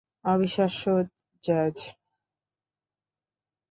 অবিশ্বাস্য, জ্যাজ।